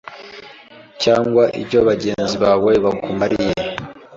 cyangwa icyo bagenzi bawe bakumariye.